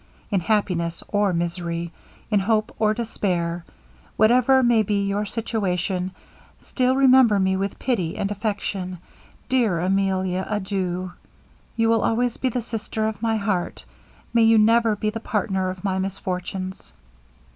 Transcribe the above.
In happiness or misery in hope or despair whatever may be your situation still remember me with pity and affection. Dear Emilia, adieu! You will always be the sister of my heart may you never be the partner of my misfortunes!'